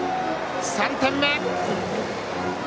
３点目。